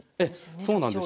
そうなんです。